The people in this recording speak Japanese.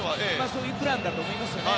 そういうプランだと思いますからね。